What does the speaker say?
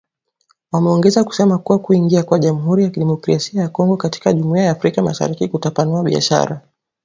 Wameongeza kusema kuwa kuingia kwa Jamhuri ya Kidemokrasia ya Kongo katika Jumuiya ya Afrika Mashariki kutapanua biashara